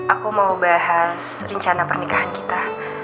aku mau bahas rencana pernikahan kita